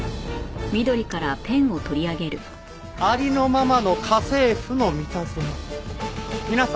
ありのままの『家政夫のミタゾノ』を皆様